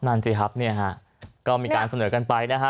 นั่นสิครับก็มีการเสนอกันไปนะฮะ